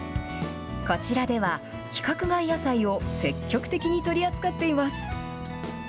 こちらでは、規格外野菜を積極的に取り扱っています。